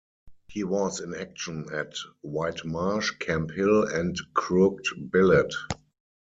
He was in action at White Marsh, Camp Hill, and Crooked Billet.